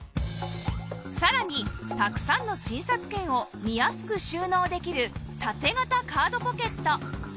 さらにたくさんの診察券を見やすく収納できる縦型カードポケット